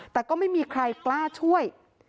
แต่ก็ไม่มีใครกล้าช่วย